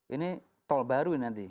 ini tol baru nanti